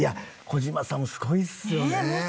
児嶋さんもすごいっすよね。